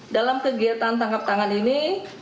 dalam kegiatan tangkap tangan ini